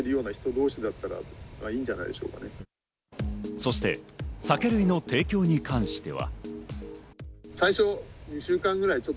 そして酒類の提供に関しては。